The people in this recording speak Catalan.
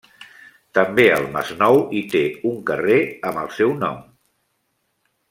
També al Masnou hi té un carrer amb el seu nom.